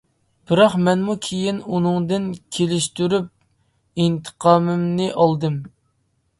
بىراق مەنمۇ كېيىن ئۇنىڭدىن كېلىشتۈرۈپ ئىنتىقامىمنى ئالدىم.